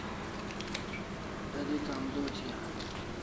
El'i kamzor thi an